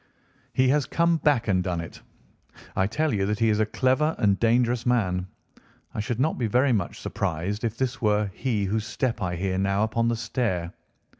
"He has come back and done it. I tell you that he is a clever and dangerous man. I should not be very much surprised if this were he whose step I hear now upon the stair.